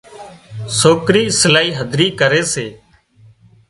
سوڪرِي سلائي هڌري ڪري سي